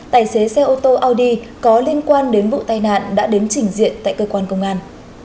tài xế xe ô tô iuudy có liên quan đến vụ tai nạn đã đến trình diện tại cơ quan công an